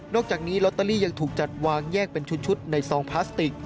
อกจากนี้ลอตเตอรี่ยังถูกจัดวางแยกเป็นชุดในซองพลาสติก